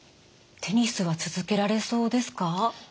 テニスは続けられそうですか？